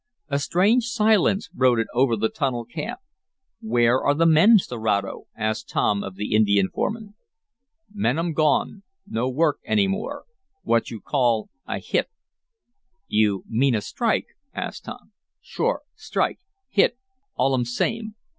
A strange silence brooded over the tunnel camp. "Where are the men, Serato?" asked Tom of the Indian foreman. "Men um gone. No work any more. What you call a hit." "You mean a strike?" asked Tom. "Sure strike hit all um same.